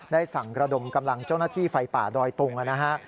ได้สั่งระดมกำลังเจ้าหน้าที่ไฟป่าดอยตุงนะฮะ